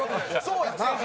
そうやな。